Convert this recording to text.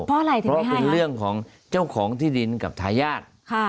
เพราะอะไรทีนี้เพราะเป็นเรื่องของเจ้าของที่ดินกับทายาท